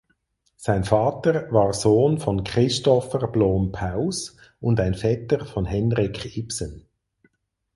Sein Vater war Sohn von Christopher Blom Paus und ein Vetter von Henrik Ibsen.